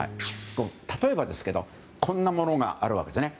例えばですけど、こんなものがあるわけですね。